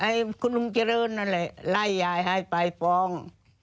ให้คุณลุงเจริญนั่นแหละไล่ยายให้ไปฟ้อง